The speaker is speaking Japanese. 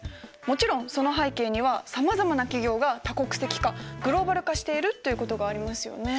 もちろんその背景にはさまざまな企業が多国籍化グローバル化しているっていうことがありますよね。